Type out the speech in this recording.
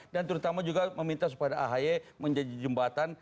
dan terutama juga meminta supaya ahi menjadi jembatan